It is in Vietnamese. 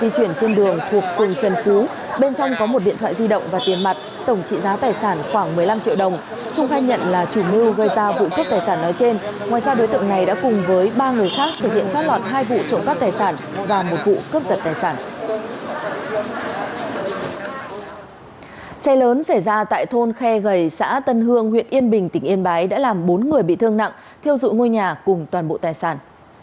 cháy lớn xảy ra tại thôn khe gầy xã tân hương huyện yên bình tỉnh yên bái đã làm bốn người bị thương nặng thiêu dụng ngôi nhà cùng toàn bộ tài sản